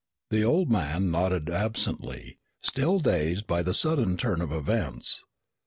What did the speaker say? The old man nodded absently, still dazed by the sudden turn of events.